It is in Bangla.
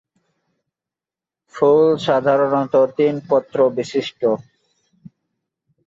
ফুল সাধারনত তিন পত্র বিশিষ্ট।